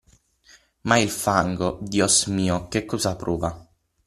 ma il fango, Dios mio, che cosa prova?